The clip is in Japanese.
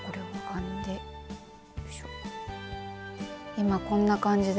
今こんな感じで。